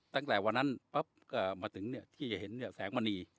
ตั้งแต่วันนั้นปั๊บก็มาถึงที่จะเห็นเนี่ยแสงมณี